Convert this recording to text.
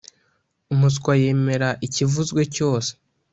umuswa yemera ikivuzwe cyose,